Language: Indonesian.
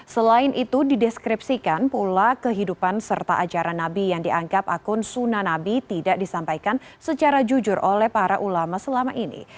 selain itu dideskripsikan pula kehidupan serta ajaran nabi yang dianggap akun suna nabi tidak disampaikan secara jujur oleh para ulama selama ini